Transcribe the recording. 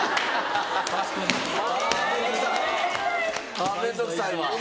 あぁ面倒くさいわ。